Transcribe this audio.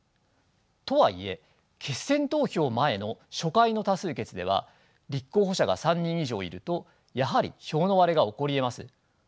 とはいえ決選投票前の初回の多数決では立候補者が３人以上いるとやはり票の割れが起こりえます。